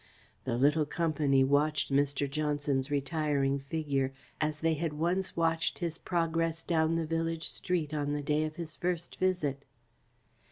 The little company watched Mr. Johnson's retiring figure as they had once watched his progress down the village street on the day of his first visit.